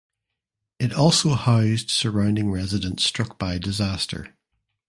It also housed surrounding residents struck by disaster.